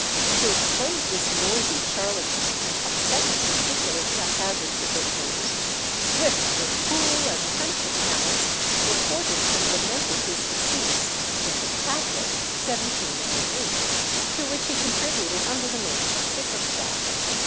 To expose this noisy charlatan and upset his ridiculous hap hazard predictions, Swift with cruel and trenchant malice reported and lamented his decease in the Tatler (1708), to which he contributed under the name of Bickerstaff.